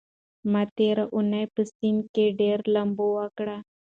ما تېره اونۍ په سيند کې ډېره لامبو وکړه.